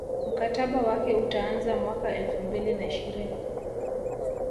mkataba wake utaanza mwaka elfu mbili na ishirini